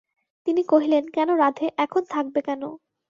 তিনি কহিলেন, কেন রাধে, এখন থাকবে কেন?